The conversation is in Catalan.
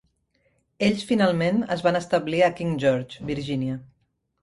Ells finalment es van establir a King George, Virginia.